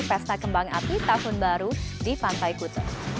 pesta kembang api tahun baru di pantai kuta